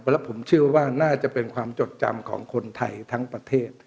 แล้วผมเชื่อว่าน่าจะเป็นความจดจำของคนไทยทั้งประเทศ